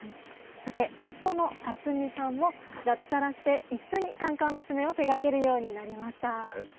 そして夫の克己さんも、脱サラして一緒に甘々娘を手がけるようになりました。